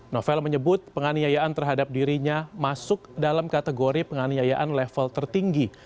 novel menyebut penganiayaan terhadap dirinya masuk dalam kategori penganiayaan level tertinggi